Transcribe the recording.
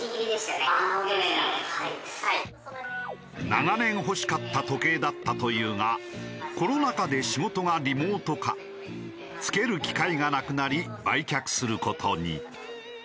長年欲しかった時計だったというがコロナ禍で仕事がリモート化つける機会がなくなり売却する事に。